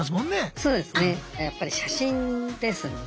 そうですね。